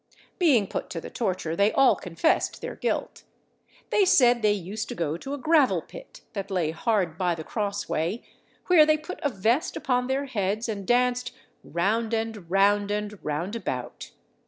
Being put to the torture, they all confessed their guilt. They said they used to go to a gravel pit, that lay hard by the cross way, where they put a vest upon their heads, and danced "round and round and round about."